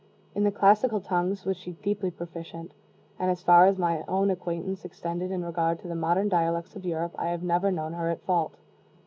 In the classical tongues was she deeply proficient, and as far as my own acquaintance extended in regard to the modern dialects of Europe, I have never known her at fault.